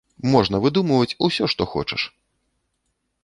Можна выдумваць усё, што хочаш.